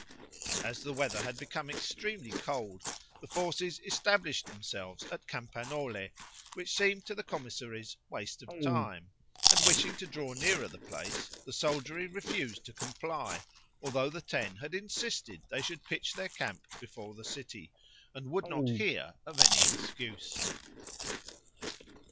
As the weather had become extremely cold, the forces established themselves at Campannole, which seemed to the commissaries waste of time; and wishing to draw nearer the place, the soldiery refused to comply, although the Ten had insisted they should pitch their camp before the city, and would not hear of any excuse.